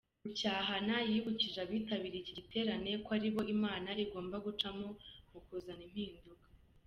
Rucyahana yibukije abitabiriye iki giterane ko ari bo Imana igomba gucamo mu kuzana impinduka.